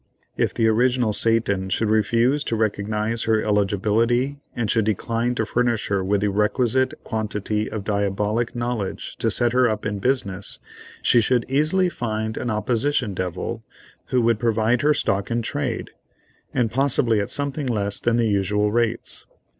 If the original Satan should refuse to recognise her eligibility, and should decline to furnish her with the requisite quantity of diabolic knowledge to set her up in business, she could easily find an opposition devil who would provide her stock in trade, and possibly at something less than the usual rates.